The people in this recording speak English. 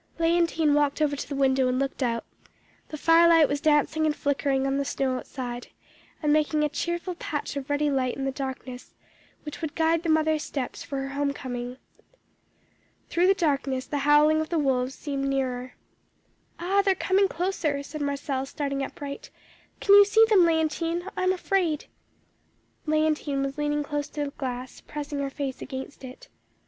"Léontine walked over to the window and looked out; the fire light was dancing and flickering on the snow outside, and making a cheerful patch of ruddy light in the darkness, which would guide the mother's steps for her home coming. Through the darkness the howling of the wolves seemed nearer. "'Ah, they are coming closer,' said Marcelle, starting upright. 'Can you see them, Léontine? I am afraid.' "Léontine was leaning close to the glass, pressing her face against it.